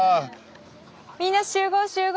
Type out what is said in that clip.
みんな集合集合！